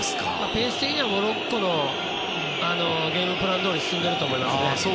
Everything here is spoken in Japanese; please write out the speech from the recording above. ペース的にはモロッコのゲームプランどおり進んでいると思いますね。